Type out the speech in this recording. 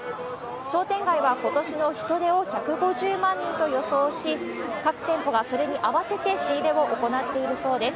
商店街はことしの人出を１５０万人と予想し、各店舗がそれに合わせて仕入れを行っているそうです。